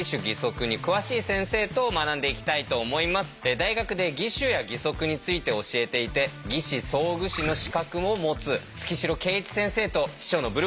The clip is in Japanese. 大学で義手や義足について教えていて義肢装具士の資格も持つ月城慶一先生と秘書のブルボンヌさんです。